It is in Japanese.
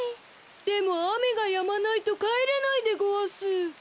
でもあめがやまないとかえれないでごわす。